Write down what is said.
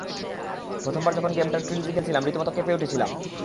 প্রথমবার যখন গেমটার ট্রিলজি খেলেছিলাম, রীতিমত কেঁপে উঠেছিলাম!